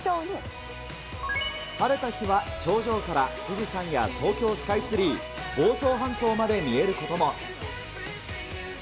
晴れた日は頂上から富士山や東京スカイツリー、房総半島まで見えることも。